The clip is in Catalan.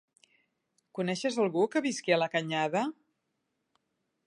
Coneixes algú que visqui a la Canyada?